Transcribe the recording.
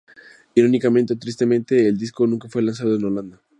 Irónicamente, o tristemente, el disco nunca fue lanzado en Holanda.